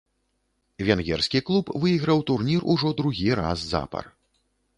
Венгерскі клуб выйграў турнір ужо другі раз запар.